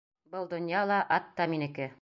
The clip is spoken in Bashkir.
Был донъя ла, ат та минеке!